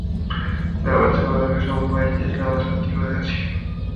La Bolsa de Valores de Bombay es la más antigua de Asia.